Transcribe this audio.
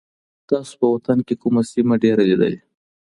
تاسو په وطن کي کومه سیمه ډېره لیدلې؟